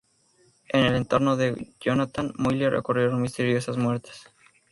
En el entorno de Jonathan Moyle ocurrieron misteriosas muertes.